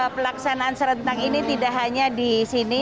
pelaksanaan serentak ini tidak hanya di sini